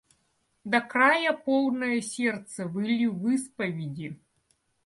До края полное сердце вылью в исповеди!